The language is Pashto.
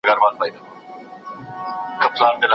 مغول په خپلو تېروتنو پوه سول.